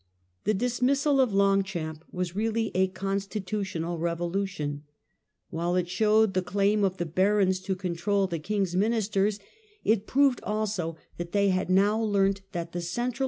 The dismissal of Longchamp was really a constitutional RICHARD'S VOYAGE. 43 revolution. While it showed the claim of the barons to control the king's ministers, it proved also Fail of that they had now learnt that the central Longchamp.